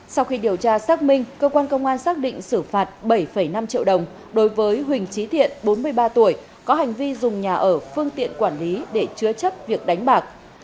sau khi điều tra xác minh cơ quan công an xác định xử phạt bảy năm triệu đồng đối với huỳnh trí thiện bốn mươi ba tuổi có hành vi dùng nhà ở phương tiện quản lý để chứa chấp việc đánh bạc